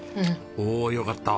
おおよかった。